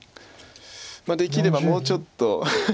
できればもうちょっと。